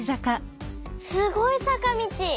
すごいさかみち！